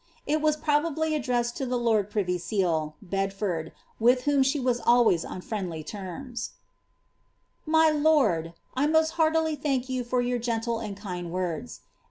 It was probably addressed to the lord privy scal, Bedford, with whom she was always on friendly terms :— My lord, — I nio^t heartily thank you for your gentle and kind letters.